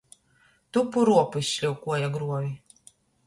Tupu ruopu izšļaukuoja gruovi.